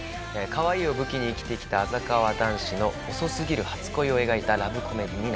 かわいいを武器に生きてきたあざかわ男子の遅すぎる初恋を描いたラブコメディーになっております。